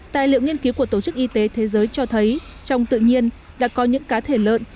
tài liệu nghiên cứu của tổ chức y tế thế giới cho thấy trong tự nhiên đã có những cá thể lợn